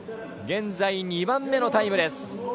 現在２番目のタイムです。